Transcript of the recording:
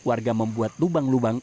warga membuat lubang lubang